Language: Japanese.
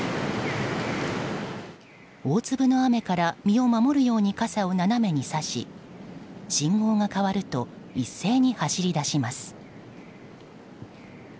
大粒の雨から身を守るように傘を斜めにさし信号が変わると一斉に走り出します。